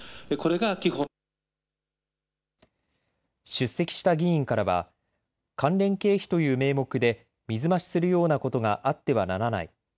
出席した議員からは関連経費という名目で水増しするようなことがあってはならない。